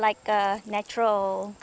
bagaikan sebuah mangkuk